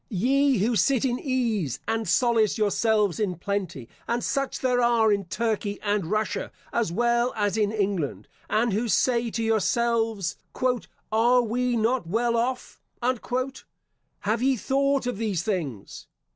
Ye who sit in ease, and solace yourselves in plenty, and such there are in Turkey and Russia, as well as in England, and who say to yourselves, "Are we not well off?" have ye thought of these things?